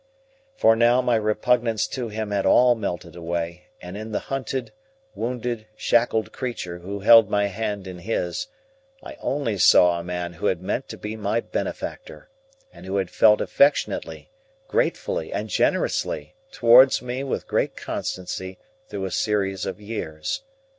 For now, my repugnance to him had all melted away; and in the hunted, wounded, shackled creature who held my hand in his, I only saw a man who had meant to be my benefactor, and who had felt affectionately, gratefully, and generously, towards me with great constancy through a series of years.